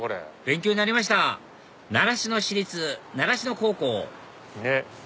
勉強になりました習志野市立習志野高校！